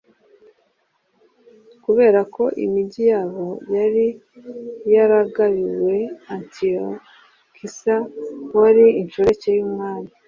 kubera ko imigi yabo yari yaragabiwe antiyokisa, wari inshoreke y'umwami